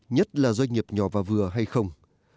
nhất là doanh nghiệp nhỏ và vừa hay không